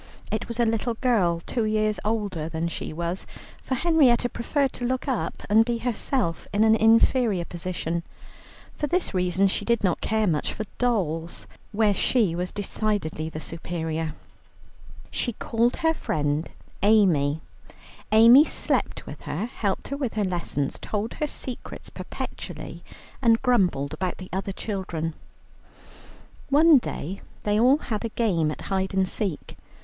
It was a little girl two years older than she was, for Henrietta preferred to look up, and be herself in an inferior position. For this reason she did not much care for dolls, where she was decidedly the superior. She called her friend Amy. Amy slept with her, helped her with her lessons, told her secrets perpetually, and grumbled about the other children. One day they all had a game at Hide and Seek.